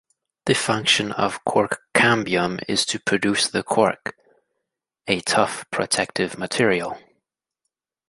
The function of cork cambium is to produce the cork, a tough protective material.